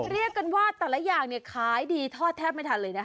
เรียกกันว่าแต่ละอย่างขายดีทอดแทบไม่ทันเลยนะคะ